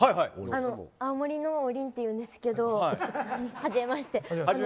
青森の王林というんですけどはじめまして。